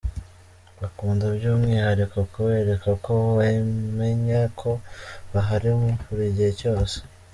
Bakunda by'umwihariko kubereka ko wamenye ko bahari buri gihe cyose.